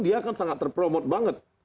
dia akan sangat terpromote banget